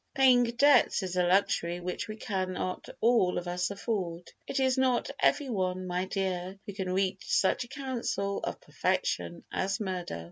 Paying debts is a luxury which we cannot all of us afford. "It is not every one, my dear, who can reach such a counsel of perfection as murder."